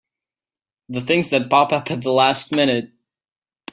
The things that pop up at the last minute!